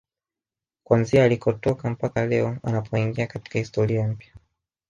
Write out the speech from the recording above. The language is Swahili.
Kuanzia alikotoka mpaka leo anapoingia katika historia mpya